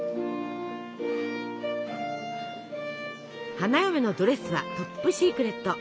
花嫁のドレスはトップシークレット。